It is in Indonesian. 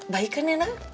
baik kan ya nah